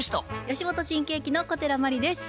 吉本新喜劇の小寺真理です。